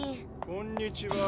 こんにちは。